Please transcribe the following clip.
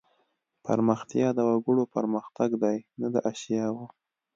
پرمختیا د وګړو پرمختګ دی نه د اشیاوو.